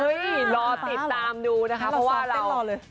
เฮ้ยรอติดตามดูนะครับเพราะว่าเราที่เราซอฟต์เต้นหล่อเลย